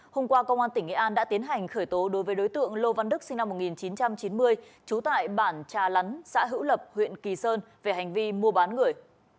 hôm qua công an tỉnh nghệ an đã tiến hành khởi tố đối với đối tượng lô văn đức sinh năm một nghìn chín trăm chín mươi trú tại bản trà lắn xã hữu lập huyện kỳ sơn về hành vi mua bán người